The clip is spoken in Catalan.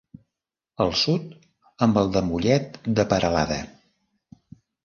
Al sud, amb el de Mollet de Peralada.